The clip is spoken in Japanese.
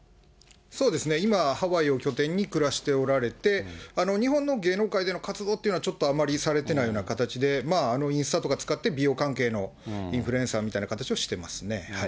そうですね、今、ハワイを拠点に暮らしておられて、日本の芸能界での活動っていうのは、ちょっとあまりされてないような形で、インスタとか使って美容関係のインフルエンサーみたいな形をしてますね。